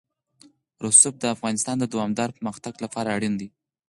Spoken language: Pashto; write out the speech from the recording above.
رسوب د افغانستان د دوامداره پرمختګ لپاره اړین دي.